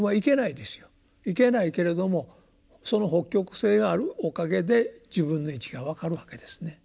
行けないけれどもその北極星があるおかげで自分の位置が分かるわけですね。